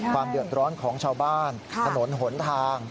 ความเดือดร้อนของชาวบ้านถนนหนทาง